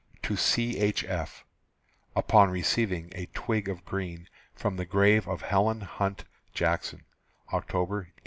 TO C. H. F. (_Upon receiving a twig of green from the grave of Helen Hunt Jackson, October, 1888.